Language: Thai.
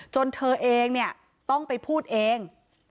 เธอเองเนี่ยต้องไปพูดเอง